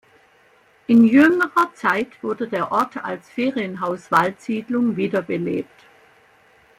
In jüngerer Zeit wurde der Ort als Ferienhaus-Waldsiedlung wiederbelebt.